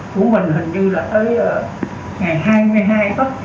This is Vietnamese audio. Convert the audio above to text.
của mình hình như là tới ngày hai mươi hai tất nhiên mình là dương tính